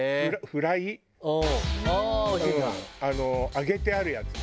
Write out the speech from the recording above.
揚げてあるやつ。